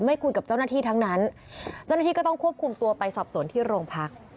คุยกับเจ้าหน้าที่ทั้งนั้นเจ้าหน้าที่ก็ต้องควบคุมตัวไปสอบสวนที่โรงพัก